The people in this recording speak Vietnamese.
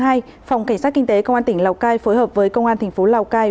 phòng cảnh sát kinh tế công an tỉnh lào cai phối hợp với công an tp lào cai